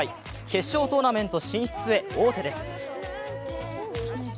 決勝トーナメント進出へ王手です。